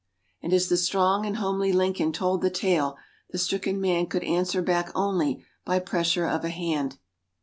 And as the strong and homely Lincoln told the tale the stricken man could answer back only by pressure of a hand.